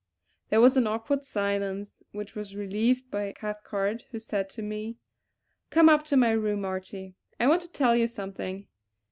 There was an awkward silence which was relieved by Cathcart, who said to me: "Come up to my room, Archie; I want to tell you something.